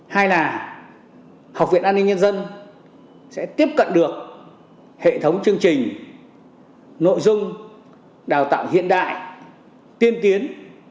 hai là học viện an ninh nhân dân sẽ tiếp cận được hệ thống chương trình nội dung đào tạo hiện đại tiên tiến